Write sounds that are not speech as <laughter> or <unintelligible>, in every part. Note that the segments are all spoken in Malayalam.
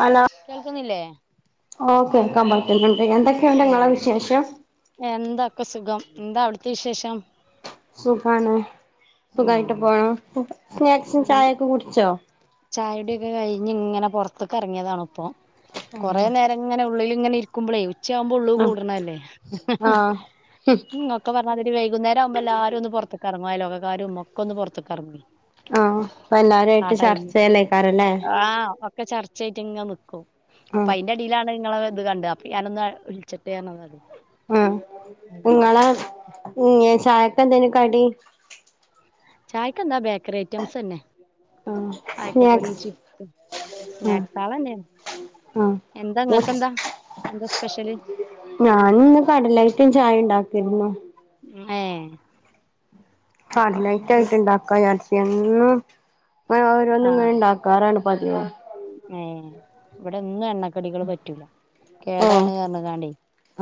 ഹലോ കേൾക്കുന്നില്ലേ ഓഹ് കേക്കാൻ പറ്റണെണ്ട് എന്ത ഏഹ് എന്താക്കെ സുഖം എന്താ അവിടുത്തെ വിശേഷം? സുഖാണ് സുഖായിട്ട് പോണ് സ്നാക്സും ചായേക്കെ കുടിച്ചോ? ചായുടിയൊക്കെ കഴിഞ്ഞ് ഇങ്ങനെ പൊറത്തെക്കെറങ്ങിയതാണ് ഇപ്പൊ ആ കൊറേ നേരം ഇങ്ങനെ ഉള്ളില് ഇങ്ങനെ ഇരിക്കുമ്പളേ ഉച്ച ആകുമ്പോ ഉള്ള് കൂടണല്ലേ ആ ആ ഇങ്ങ ക്കെ പറഞ്ഞാലും ഒരു വൈകുന്നേരം ആവുമ്പോ എല്ലാരും ഒന്ന് പൊറത്തെക്കെറങ്ങും അയ്ലോക്കക്കാരും ഒക്കൊന്ന് പൊറത്തക്കെറങ്ങും ആഹ് അപ്പൊ എല്ലാരും ആയിട്ട് ചർച്ചയ്ല്ലേക്കാരല്ലേ ആഹ് ഒക്കെ ചർച്ചേയിട്ടിങ്ങനെ നിക്കും ആ അപ്പൊ അയ്ന്റ ടീലാണ് നിങ്ങളെ ഇത് കണ്ടത് അപ്പൊ ഞാനൊന്ന് അഹ് വിളിച്ചിട്ടേ <unintelligible> ഉം ഇങ്ങള ഇങ്ങെ ചായക്കെന്തേന് കടി? ചായ്ക്കെന്താ ബേക്കറി ഐറ്റംസ് തന്നെ ആ ആക്കപ്പൊരി സ്നാക്സ് ചിപ് ആ സ്നാക്സ് ആളന്നെ ആ എന്താ ഇങ്ങക്കെന്താ എന്താ സ്പെഷ്യല്? ഞാനിന്ന് കടലയ്റ്റും ചായേം ഇണ്ടാക്കിയിരുന്നു ഏഹ് കട്ലൈറ്റായിട്ട് ഇണ്ടാക്കാ വിചാരിച്ചു എന്നും ഇങ്ങനെ ഓരോന്നിങ്ങനെ ഇണ്ടാ ക്കാറാണ് പതിവ് ഏഹ് ഇവിടെന്നും എണ്ണക്കടികള് പറ്റൂലാ ഓഹ്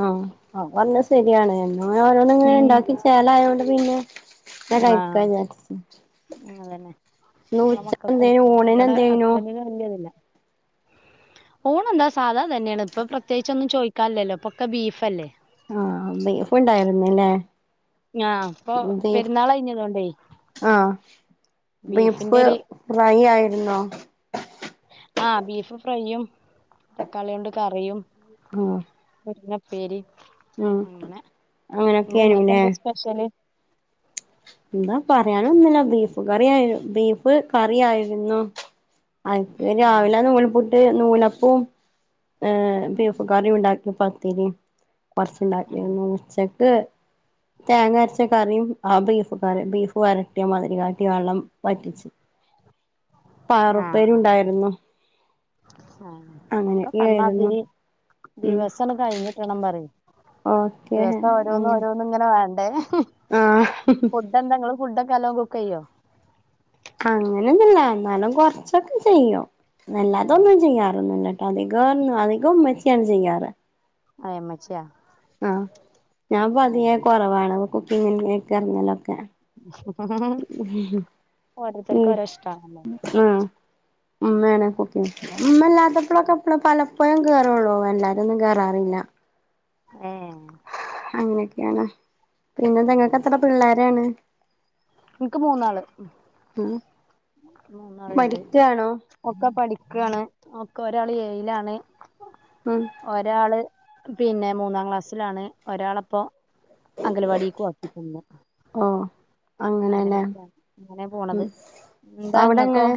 ആഹ് അത് പറഞ്ഞത് ശെരിയാണ് എന്നും ഓരോന്ന് ഇങ്ങനെ ഉം ഇണ്ടാക്കി ച്ചേലായോണ്ട് പിന്നെ ഞാൻ കഴിക്കാഞ്ഞേ ഉം അതന്നെ നമ്മടെ മക്കക്ക് എന്തേനു <inaudible> ഊണിന് ഇവിടെ എന്തേനു ഹസ്ബൻഡിനു വല്യ ഇതില്ല ഊണ് എന്താ സാധാ തന്നെയാണ് ഇപ്പ പ്രത്യേകിച്ച് ഒന്നും ചോ ക്കാല്ലല്ലോ ഇപ്പക്കെ ബീഫല്ലേ ആഹ് ബീഫ് ഇണ്ടായിരുന്നില്ലേ? ആഹ് ഇപ്പൊ ബീഫ് പെരുന്നാള് കഴിഞ്ഞതോണ്ടേ ആഹ് ബീഫിന്റെ ബീഫ് ഒരു ഫ്രൈ ആയിരുന്നോ? ആഹ് ബീഫ് ഫ്രൈയും തക്കാളി കൊണ്ട് കറിയും ആഹ് പിന്ന ഉപ്പേരി ഉം അങ്ങനൊക്കെ ആയ്നുല്ലേ സ്പെഷ്യൽ എന്താ പറയാൻ ഒന്നുല്ല ബീഫ് കറി ആയിരു ബീഫ് കറി ആയിരുന്നു അയ്ക്ക് ആഹ് രാവിലെ നൂൽപ്പുട്ട് നൂലപ്പവും ഏഹ് ബീഫ്കറി ഉണ്ടാക്കി പത്തിരിയും കൊറച്ച് ഉണ്ടാക്കിയിരുന്നു ഉച്ചക്ക് തേങ്ങ അരച്ച കറിയും ആ ബീഫ കറി ബീഫ് വരട്ടിയ മാതിരി കാട്ടി വെള്ളം വറ്റിച്ചു പയർ ആഹ് ഉപ്പേരിയും ഉണ്ടായിരുന്നു ആഹ് ഒക്കെ അങ്ങനെയൊക്കെ ആയിരുന്നു പറഞ്ഞാമതിരി ഉം ദിവസം അണ് കഴിഞ്ഞ് കിട്ടണം പറയും ഓക്കെ ദിവസം ഓരോന്ന് അങ്ങനെ ഓരോന്നും ഇങ്ങനെ വേണ്ടേ ആഹ് ഇന്ന് എന്ത ഇങ്ങള് ഫുഡ് ഒക്കെ എല്ലാം കുക്ക് ചെയ്യോ അങ്ങനെ ഒന്നുല്ല എന്നാലും കൊറച്ച് ഒക്കെ ചെയ്യും ഏ അല്ലാതെ ഒന്നും ചെയ്യാർ ഒന്നുല്ല അധികം അധികം ഉമ്മച്ചിയാണ് ചെയ്യാറ് ആഹ് ഇമ്മച്ചിയ ആഹ് ഞാൻ പതിയെ കുറവാണ് കുക്കിങ്ങിൽ ഇറങ്ങ ഒക്കെ ഉം ഓരോരുത്തർക്കും ഓരോ ഇഷ്ടാണല്ലോ ആഹ് ഉമ്മയാണ് ഇപ്പൊ ഒക്കെ ഇല്ലാത്തപ്പഴൊക്കെ പല പ്പോഴും കയറുള്ളു എല്ലാരും ഒന്നും കയറാറില്ല ഏഹ് അങ്ങനെയൊക്കെയാണ് പിന്നെന്ത ഇങ്ങൾക്ക് എത്ര പിള്ളേരാണ് ഇൻക്ക് മൂന്നാള് ഉം മൂന്നാള് ഉണ്ട് പഠിക്കാണോ ഒക്കെ പഠിക്കാണ് ഒക്കെ ഒരാള് ഏഴിലാണ് ഉം ഒരാള് പിന്നെ മൂന്നാം ക്ലാസ്സിലാണ് ഒരാളെ ഇപ്പോ അംഗലവാടിക്കും ആക്കിട്ടിട്ടുണ്ട് ആഹ് അങ്ങനെ ല്ലേ അങ്ങനെ ഉം പോണത് എന്താ അവിടെ ഇങ്ങക്കോ എങ്ങനെ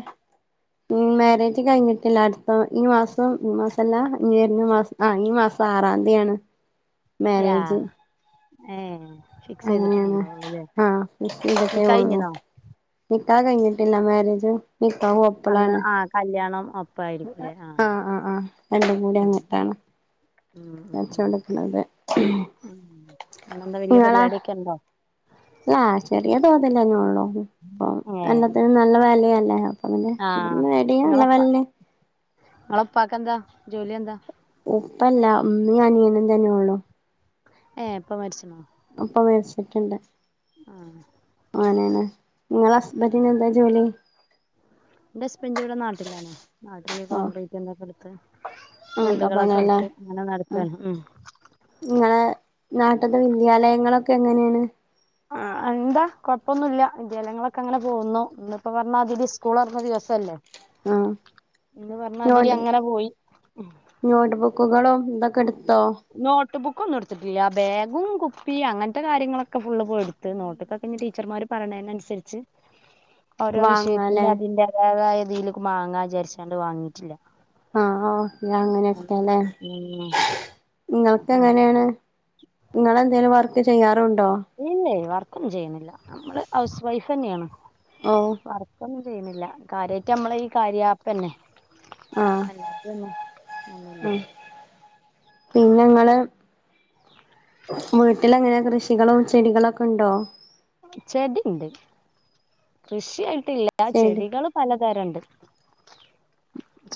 മാരേജ് കഴിഞ്ഞിട്ടില്ല അടുത്ത ഈ മാസം ഈ മാസല്ല ഇനി വരുന്ന മാസം ആഹ് ഈ മാസം ആറാന്തി ആണ് യാ ഏഹ് ഫിക്സ് അങ്ങനെയാണ് ചെയ്തിട്ടിട്ടുണണ്ടാവൊള്ളൂ ലെ ആഹ് ഫിക്സ് ചെയ്തിട്ടേ നിക്കാഹ് ഉള്ളൂ കഴിഞ്ഞീനൊ നിക്കാഹ് കഴിഞ്ഞിട്ടില്ല മാരേജ് നിക്കാഹും ഒപ്പം അന്ന് പ്പളാണ് ആ കല്യാണം ഒപ്പായിരിക്കൂലേ ആ ആഹ് ആഹ് ആഹ് രന്റെ കൂടി ആഹ് അങ്ങട്ടാണ് ഉം ഉം വെച്ചോണ്ട് നിക്കുന്നത് ഉം അന്നന്ത വലിയ പരിപാടിയൊക്കെണ്ടോ അല്ല ചെറിയ തോതിലെന്നെ ഉള്ളൂ ഇപ്പൊ ഏഹ് എല്ലാത്തിനും നല്ല വിലയല്ലേ അങനെ ആഹ് മീഡിയം ലെവലിൽ ഇങ്ങളെ ഇപ്പാക്ക് എന്താ ജോലി എന്താ ഉപ്പല്ല ഇമ്മീം അനിയനും തന്നെ ഉള്ളു ഏഹ് ഇപ്പ മരിച്ചണോ ഉപ്പ മരിച്ചിട്ടുണ്ട് ആഹ് അങ്ങനെണ് ങ്ങളെ ഹസ്ബന്റിന് എന്താ ജോലി എന്റെ ഹസ്ബന്റ് ഇവിടെ നാട്ടിലാണ് നാട്ടില് ഓ കോൺക്രീറ്റ് എന്തൊക്കെ എടുത്ത് അങ്ങനത്തെ വീടുകളൊക്കെ പണിയല്ലേ എടുത്ത് അങ്ങനെ ആ നടക്കാണ് ഉം നിങ്ങളെ നാട്ട്ത്തെ വിദ്യാലയങ്ങളൊക്കെ എങ്ങനെയാണ് ആ എന്താ കുഴപ്പം ഒന്നുമില്ല വിദ്യാലയങ്ങളൊക്കെ അങ്ങനെ പോകുന്നു ഇന്നിപ്പോ പറഞ്ഞ മാതിരി സ്കൂൾ തുറന്ന ദിവസല്ലേ ആ ഇന്ന് പറഞ്ഞ മാതിരി നോട്ട് അങ്ങനെ പോയി നോട്ട് ബുക്കുകളും ഇതൊക്കെ എടുത്തോ നോട്ട് ബുക്ക്‌ ഒന്നും എടുത്തിട്ടില്ല ബാഗും കുപ്പിയും അങ്ങനത്തെ കാര്യങ്ങളൊക്കെ ഫുള്ള് പോയി എടു ത്ത് നോട്ടുക്കൊക്കെ ഇഞ്ഞി ടീച്ചർമാര് പറയതിനനുസരിച്ച് ഓരോ വാങ്ങാല്ലേ വിഷയത്തിന്റെ അതിന്റെ എതായിതിൽക്ക് മാങ്ങാചാരിച്ചാണ്ട് വാങ്ങിട്ടില്ല ആഹ് അഹ് ഇഞ്ഞി അങ്ങനെക്കെല്ലേ ഇങ്ങൾക്ക് എങ്ങനെണ് ഇങ്ങളേന്തേലും വർക്ക് ചെയ്യാറുണ്ടോ ഇല്ലയ് വർക്കും ചെയ്യുന്നില്ല നമ്മള് ഹൗസ് വൈഫ്ന്നെയാണ് ഓഹ് വർക്കൊന്നും ചെയ്യുന്നില്ല കാര്യയിട്ട് നമ്മള ഈ കാര്യപ്പന്നെ ആഹ് ഒന്നുമില്ല ആ പിന്നെ ഇങ്ങള് വീട്ടിലെങ്ങനെ കൃഷികളും ചെടികളൊക്കെ ഉണ്ടോ ചെടിണ്ട് കൃഷിയായിട്ടില്ല ചെടി ചെടികള് പലതരണ്ട്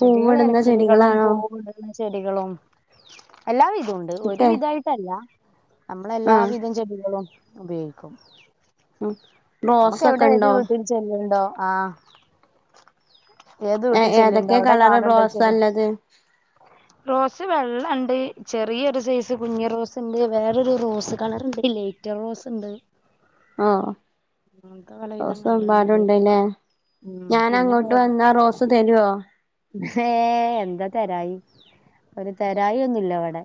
ചെടികള് എല ചെടികളും ചെടികളാണോ പൂവൂണ്ട് ചെടികളും എല്ലാ വിതോണ്ട് ഒരു ഒക്കെ വിധായിട്ടല്ല നമ്മളെ ആഹ് എല്ലാവിധം ചെടികളും ഉപയോഗിക്കും ഉം നമ്മക്ക് റോസൊക്കെ എവിടെ ഏത് ഉണ്ടോ വീട്ടിൽ ചെല്ലുന്നുണ്ടോ ആ എഹ് എഹ് ചെല്ലുണ്ടോ ഏതൊക്കെ അവിടെ കളറ് കാണുണ്ടോ ചെടി റോസാല്ലത് റോസ് വെള്ളണ്ട് ചെറിയൊരു സൈസ് കുഞ് റോസ് ഉണ്ട് വേറൊരു റോസ് കണർണ്ട്ല്ലേ റ്റ റോസ് ഇണ്ട് ആഹ് <unintelligible> ഉം പിന്നെ പ്പ് തരോ ഏഹ് എന്താ തെരായി ഒരു തെരായി ഒന്നുല്ല ഇവിടെ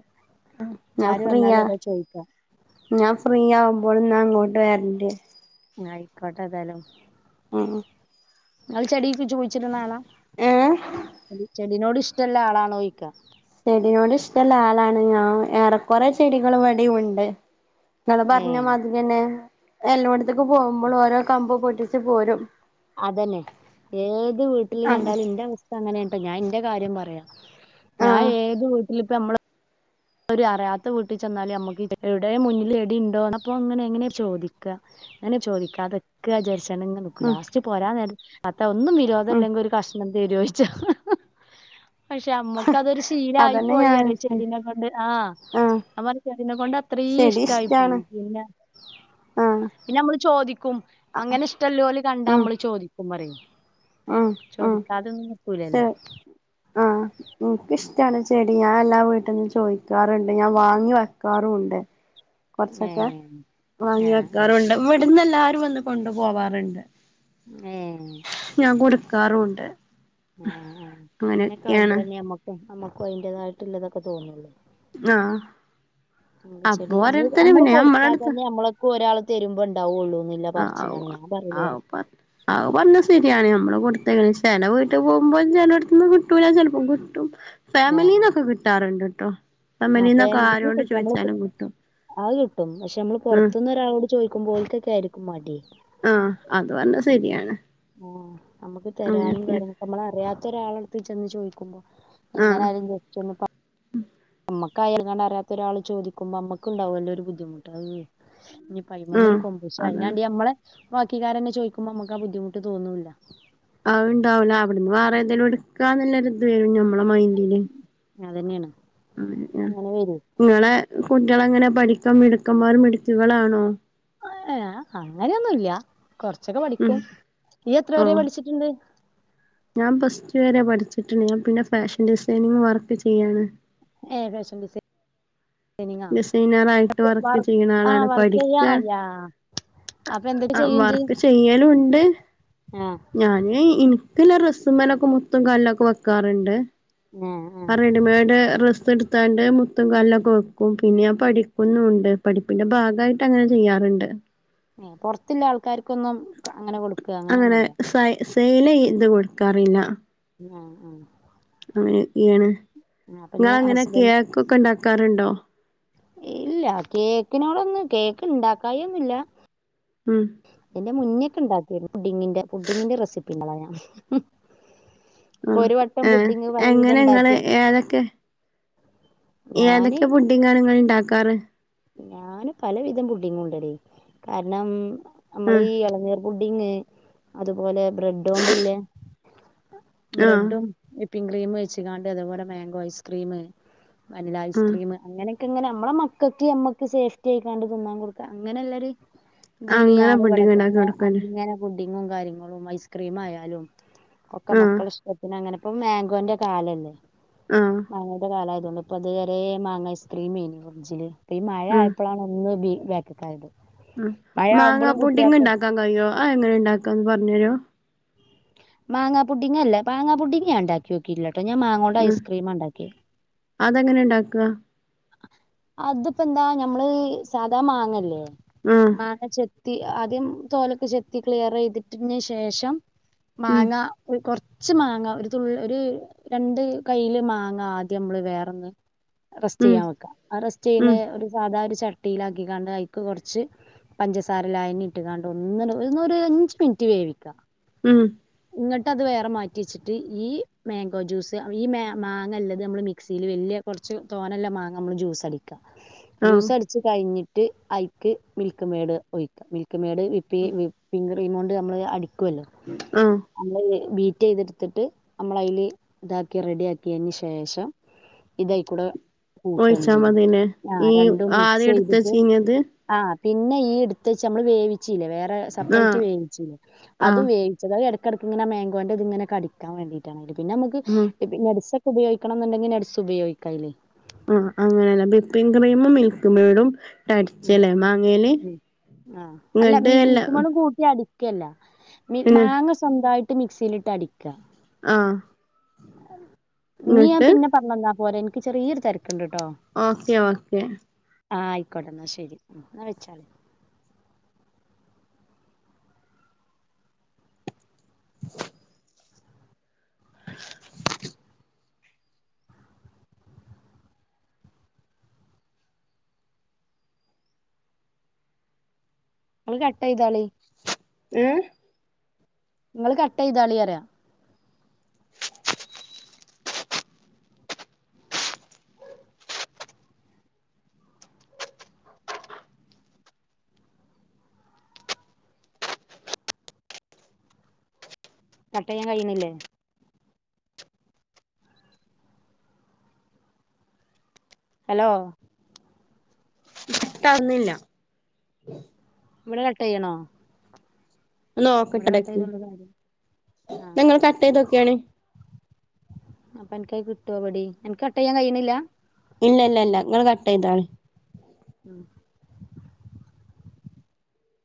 ഞാൻ ആര് ഫ്രീയാ വന്നാലു അതാ ചോയ്ക്കാ ഞാൻ ഫ്രീ ആവുമ്പോഴ് ന്നാ അങ്ങോട്ട് വരന്റ് ആയിക്കോട്ടെ ഏതായാലും ഉം ഉം ഇങ്ങളെ ചെടിക്ക്ജ്ജ് കുയിച്ചിട്നാള ഏഹ് ചെടിനോട് ഇഷ്ടള്ള ആളാണോ ചോയ്ക്ക ചെടിനോട് ഇഷ്ടള്ള ആളാണ് ഞാൻ ഏറെക്കുറെ ചെടികളും ഇവടും ഉണ്ട് ഇങ്ങള് ഏ പറഞ്ഞാ മതിരെന്നെ എല്ലടോത്തേക്ക് പോകുമ്പോളോ ഓരോ കമ്പ് പൊട്ടിച്ചു പോരും അതന്നെ ഏത് വീട്ടിൽ അങ്ങനെ കണ്ടാലും എന്റെ അവസ്ഥ അങ്ങനെട്ടോ ഞാൻ എന്റെ കാര്യം പറയാ ഞാൻ ആഹ് ഏത് വീട്ടിലിപ്പ അമ്മള ഒരു അറിയാത്ത വീട്ടിൽ ചെന്നാല് നമ്മക്ക് എവിടെ മുന്നില് എടി ഉണ്ടോ അപ്പൊ അങ്ങനെ എങ്ങനെ ചോദിക്ക എങ്ങനെ ചോദിക്കാതൊക്കജാരിച്ച്ങ്ങാണ്ട് ങ്നിക് ഉം ലാസ്റ്റ് പോരാ നേരത്തതാത്ത ഒന്നും ഉം വിരോധംല്ലെങ്കിൽ ഒരു കഷ്ണം തരോയ്ച്ചും പക്ഷെ അമ്മക്കതൊരു ശീലായി അതന്നെ പോയി ഞാൻ റ ചെടിനെക്ക ആഹ് ആഹ് ഞാ പറിം ചെടിനെ കൊണ്ട് അത്ര ചെടി ഇഷ്ടായി പോയി ഇഷ്ടാണ് പിന്നെ ആഹ് പിന്നെ നമ്മള് ചോദിക്കും അങ്ങനെ ഇഷ്ടല്ലോല് കണ്ടാ ഉം നമ്മള് ചോദിക്കും പ റിം ഉം ചോദിക്കാതൊന്നും നിക്കൂലല്ലോ ഉം ഇനിക്ക് ഇഷ്ടാണ് ചെടി ഞാൻ എല്ലാ വീട്ടന്ന് ചോയി ക്കാറണ്ട് ഞാൻ വാങ്ങി വെക്കാറുണ്ട് കോറച്ചൊക്കെ ഏഹ് വാങ്ങി ആഹ് ആഹ് വെക്കാറുണ്ട് ഇവിടുന്ന് എല്ലാരും വന്ന് കൊണ്ടു പോവാാറുണ്ട് എഹ് ഞാൻ കൊടുക്കാറുണ്ട് ആഹ് ആഹ് അങ്ങനെയൊക്കെ അങ്ങനെയൊക്കെയാണ് ആവുമ്പോളന്നെമ്മക്കും അമ്മക്കും അതിന്റതായിട്ടുള്ളതൊക്കെ തോന്നുള്ളു ആഹ് അപ്പൊ ചെടിമ്മള് ഓരോരുത്തര് നമ്മള് പിന്നെ കൊടുത്താ നമ്മളടുത്ത് തന്നെ നമ്മള നമ്മക്ക്ഒരാൾ തരുമ്പോ ഉണ്ടാവുള്ളൂന്ന പറിച്ചിലാണ് ആഹ് ഞാൻ പറയല് ആഹ് ഇവടെ പ അത് പറഞ്ഞത് ശരിയാണ് നമ്മള് കൊടുത്ത ചെല വീട്ടിപോകുമ്പോ ചെലടുത്തന്ന് കിട്ടൂല ചെലപ്പോം കിട്ടും ആഹ് ഫാമിലീന്നൊക്കെ കിട്ടാറുണ്ട് ട്ടോ ആഹ് ഫാമിലിന്നൊക്കെ ഫാമിലി ആരോട് കിട്ടും നമ്മള് ചോദിച്ചാലും കിട്ടും അത് കിട്ടും പക്ഷെ നമ്മള് ഉം പുറത്തന്ന് ഒരാളോട് ചോയിക്കുമ്പോൾത്തേക്കായിരി ക്കും മടി ആ അത് പറഞ്ഞ സെരിയാണ് ആ നമ്മക്ക് തരാനും കാര്യങ്ങള് നമ്മളറിയാത്ത ഒരാളടുത്ത് ചെന്ന് ചോയിക്കുമ്പോ ആഹ് എങ്ങനായാലും ജസ്റ്റ്‌ ഒന്ന് പ നമ്മക്കായാലും ഇങ്ങനാറിയാത്ത ഒരാള് ചോദിക്കുമ്പോ അമ്മക്കുണ്ടാവുല്ലോ ഒരു ബുദ്ധിമുട്ട് എവ് ഇനി ആഹ് പയിമന്നൊരു കോമ്പൂശ അതാണ് അയിനാണ്ടി അമ്മളെ ബാക്കിക്കാരന്നെ ചോയിക്കുമ്പോ അമ്മക്കാ ബുദ്ധിമുട്ട് തോന്നൂല്ല അ ഉണ്ടാവില്ല അവിടുന്ന് വേറെ എന്തേലും എടുക്കാനല്ല ഒരിത് ഞമ്മളെ മൈന്റിന് അതന്നെയാണ് ആ അങ്ങനെ വരും നിങ്ങളെ കുട്ടികളെങ്ങനെ പഠിക്കാൻ മിടുക്കന്മാരും മിടുക്കികളാണോ ഏ് അങ്ങനെയൊന്നുല്ല കൊറച്ചൊക്കെ ഉം പഠിക്കും നീ എത്ര വരെ ഓഹ് പഠിച്ചിട്ടുണ്ട് ഞാൻ പ്ലസ്ടു വരെ പഠിച്ചിട്ടുണ്ട് ഞാൻ പിന്നെ ഫാഷൻ ഡിസൈനിങ് വർക്ക് ചെയ്യാണ് ഏ ഫാഷൻ ഡിസൈനിംഗ് ഡിസൈനറായിട്ട് വർക്ക് വർ ചെയ്യണ ആ ആളാണ് വർക്ക് ചെയ്യാ പഠിക്കാൻ അയ്യാ അപ്പൊ എന്തൊക്കെ അഹ്ആ ചെയ്യും ഇജ്ജ് വർക്ക് ചെയ്യലുണ്ട് ആ ഞാന് എനിക്ക്ല്ല ഡെസ്സുമേലൊക്കെ മുത്തും കല്ലൊക്കെ വെക്കാറുണ്ട് ആ റെഡിമേഡ് ഡ്രസ്സ് എടുത്താണ്ട് മുത്തും കല്ലൊക്കെ പിന്നെ ഞാൻ പഠിക്കുന്നുണ്ട് പഠിപ്പിന്റെ ഭാഗായിട്ട് ഞാൻ ചെയ്യാറൊണ്ട് പൊറത്തില്ല ആൽക്കാര്ക്കൊന്നും അങ്ങനെ കൊടു അങ്ങനെ സ സെയ്ലെയ്‌ത് കൊടുക്കാറില്ല ഞാ ആ അങ്ങനൊക്കെയാണ് ആ, അപ്പൊ ഇഞ്ഞ് നിങ്ങളെങ്ങനെ ഹസ്ബൻഡ് കേക്കൊക്കെ ഇണ്ടാക്കാറുണ്ടോ ഇല്ല കേക്കിനോടൊന്നും കേക്ക് ഇണ്ടാക്കായൊന്നില്ല ഉം ഇതിന്റെ മുന്നേക്കെണ്ടാക്കിരുന്നു ഫുഡിങ്ങിന്റെ ഫുഡിങ്ങിന്റെ റെസിപ്പിണ്ട് പറഞ്ഞ ഇപ്പൊ ആഹ് ഒരു വട്ടം ഏഹ് പുഡിങ്ങ് പല എങ്ങനെ ഇങ്ങള് വിധംണ്ടാക്കി ഏതൊക്കെ ഏതൊക്കെ പുഡിങ്ങാണ് ഇങ്ങള്ണ്ടാക്കാറ് ഞാന് പലവിധം പുഡിങ്ങുണ്ടടീ കാരണം നമ്മളീ ആഹ് ഇളനീർ പുഡിങ് അതുപോലെ ബ്രെഡോണ്ടില്ലേ ആഹ് ബ്രെഡും പ്പിങ് ക്രീമ് വെച്ചക്കാണ്ട് ഇതുപോലെ മാങ്കോ ഐസ്ക്രീമ് വനില ആഹ് ഐസ്ക്രീമ് അങ്ങനേക്കിങ്ങനെ മ്മടെ മക്കക്ക് അമ്മക്ക് സേഫ്റ്റി ആയിക്കാണ്ട് തിന്നാൻ കൊടുക്കാ അങ്ങനെല്ലൊരു ഇതില് അങ്ങനെ ഞാനും പുഡിങ് ഇണ്ടാക്കി ഇവിടെതന്നെ കൊടുക്കല്ലേ അങ്ങനെ പുഡിങ്ങും കാര്യങ്ങളും ഐസ്ക്രീമായാലും ഒക്കെ ആഹ് മക്കളിഷ്ടത്തിനങ്ങനെ ഇപ്പോ മാങ്കോന്റെ കാലല്ലേ ആഹ് മാങ്ങാടെ കാലായതൊള്ളൂ ഇപ്പൊ അത് വരേ മാങ്ങ ഐസ്ക്രീമായിരുന്നു ഫ്രിഡ്ജില് ഇപ്പ ഈ മഴ ആഹ് ആയപ്പളാണ് ഒന്ന് ബി വാക്കക്കായത് അ മാങ്ങാ പൂഡിങ്ങ് ഉണ്ടാക്കാൻ കഴിയോ അത് എങ്ങനെണ്ടാക്കാന്ന് പറഞ്ഞ് തരുവോ മാങ്ങാ പുഡിങ്ങല്ല മാങ്ങാപുഡിങ്ങ് ഞാ ൻഉണ്ടാക്കി വയ്ക്കും ഇല്ലാ ട്ടോഞാൻ മാങ്ങോണ്ട ഉം ഐസ്ക്രീമ ഉണ്ടാക്കിയെ അതെങ്ങനെ ഇണ്ടാക്കാ അതിപ്പോന്താ ഞമ്മള് സാധാ മാങ്ങല്ലേ ഉം മാങ്ങ ചെത്തി ആദ്യം തോലൊക്കെ ചെത്തി ക്ലിയറെയ്തിട്ടന് ശേഷം ഉം മാങ്ങ കൊറച്ച് മാങ്ങാ ഒരു തുള്ളി ഒരു രണ്ട് കൈയില് മാങ്ങാ ആദ്യം നമ്മള് വേറൊന്ന് റെ സ്റ്റ് ഉം ചെയ്യാൻ വെക്കാ ആ റെസ്റ്റയ്യുന്ന ഉം ഒരു സാധാ ഒരു ചട്ടിയിലാക്കിക്കാണ്ട് അയിക്ക് കൊറച്ച് പഞ്ചസാര ലായനി ഇട്ട്കാണ്ട് ഒന്ന്ന് ഒരഞ്ച് മിനിറ്റ് വേവിക്കാം ഉം ഇങ്ങട്ട് അത് വേറെ മാറ്റി വെച്ചിട്ട് ഈ മാങ്കോ ജ്യൂസ് ഈ മാ മാങ്ങല്ലത് നമ്മള് മിക്സിയില് വെല്യ കൊറച്ച് തോനെല്ലാ മാങ്ങ നമ്മള് ജൂസ്സടി ക്ക ആഹ് ജ്യൂസടിച്ച് കയിഞ്ഞിട്ട് അയിക്ക് മിൽക്ക് മേഡ് ഒയിക്കാം മിൽക്ക് മെയ്ഡ് വിപ്പ് വിപ്പിങ് ക്രീമൊണ്ട് നമ്മള് അടിക്കുവല്ലോ ഉം നമ്മള് ബീറ്റ് ചെയ്തെടുത്തിട്ട് നമ്മള അതിൽ ഇതാക്കി റെഡി ആക്കി അതിന് ശേഷം.. ഇതായിക്കൂടെ കൂട്ടണം ഒഴിച്ചാ ചെയ്യ മതില്ലേ ആഹ് ഈ രണ്ടും മിക്സ് ആദ്യം എടുത്ത് ചെയ്തിട്ട്. വെച്ചീഞ്ഞത് ആഹ് പിന്നെ ഈ എടുത്ത വച്ച് നമ്മള് വേവിച്ചല്ലേ വേറെ സെപ്പറേറ്റ് ആഹ് വേവിച്ചില്ലേ അത് ആഹ് വേവിച്ച അത് ഇടക്കക് ഇങ്ങനെ കടിക്കാൻ വേണ്ടിട്ട പിന്നെ നമുക് ആഹ് നേട്സ് ഒകെ. ഉപയോഗിക്കണം എന്നുണ്ടെങ്കി നടുസ് ഉപയോഗിക്കായ്ല്. ആഹ് അങ്ങനെയല്ല ബിപ്പിൻ ക്രീമും മിൽക്ക് മൈടും ഉം ഉം ആഹ് അല്ല ഇങ്ങട്ട് മീ എല്ലാ മിൽക്ക് മൈടും കൂട്ടി അടി.. കെല്ല പിന്നെ മാങ്ങ സ്വന്തായിട്ട് മിക്സിയിലിട്ട് അടിക്ക. ആഹ് ഇനി ഞാൻ ഇങ്ങട്ട് പിന്നെ പറഞ്ഞന്നാ പോരെ എനിക്ക് ചെറിയൊരു തിരക്കുണ്ട്ട്ടോ. Okay okay. ആഹ് ആയിക്കോട്ടെ എന്നാ ശെരി എന്നാ വെച്ചാളി സ്.. ഹ് ശ്ശ. നിങ്ങൾ കട്ട ചെയ്തൊളി ഉം നിങ്ങള്ൾ കട്ടയ്തതോളി പറിയ. കട്ട ചെയ്യാൻ കഴണില്ലേ. ഹലോ കട് അവുന്നില്ല.. ഇബടെ കട്ട് ചെയ്യാണോ നോക്കട്ടടക്കി ചെയ്തോണ്ട് കാര്യം ആഹ് നിങ്ങള്ൾ കട്ട ചെയ്ത്ക്കിയണേ. അപ്പൊ നിക്കായി കിട്ടുവടി എനിക്ക് കട്ടിയാൻ കഴിയണില്ല. ഇല്ല ഇല്ല ഇല്ല നിങ്ങൾ കട്ട് ചെയ്താളെ. ഉം